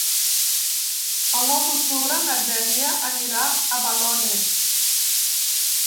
El nou d'octubre na Dèlia anirà a Balones.